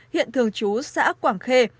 hiện thường trú xã quảng khê